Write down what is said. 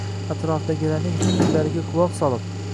atrofdagilarning fikrlariga quloq solib